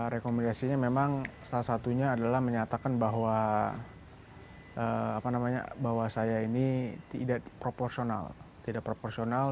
rekomendasinya memang salah satunya adalah menyatakan bahwa saya ini tidak proporsional tidak proporsional